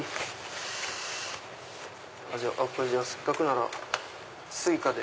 せっかくならＳｕｉｃａで。